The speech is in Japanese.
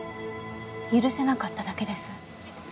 許せなかっただけです